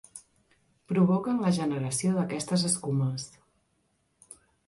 Provoquen la generació d'aquestes escumes.